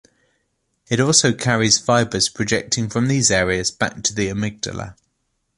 It also carries fibers projecting from these areas back to the amygdala.